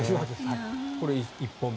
これ１本目。